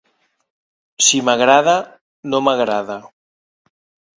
Si m'agrada, no m'agrada.